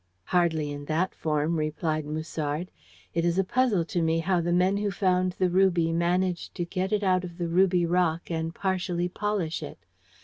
"Hardly in that form," replied Musard. "It is a puzzle to me how the men who found the ruby managed to get it out of the ruby rock and partially polish it.